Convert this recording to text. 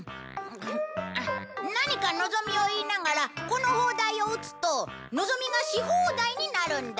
何か望みを言いながらこの砲台を撃つと望みがし放題になるんだ。